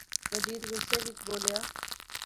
مجید غصے وچ بولیا